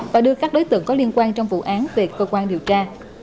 và đưa các đối tượng có liên quan trong vụ án về cơ quan điều tra